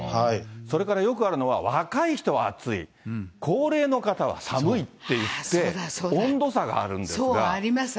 それからよくあるのは、若い人は暑い、高齢の方は寒いっていそう、あります、あります。